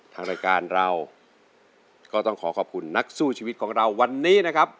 ทางรายการเราก็ต้องขอขอบคุณนักสู้ชีวิตของเราวันนี้นะครับ